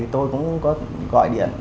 tôi cũng có gọi điện